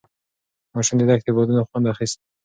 ماشوم د دښتې د بادونو خوند اخیست.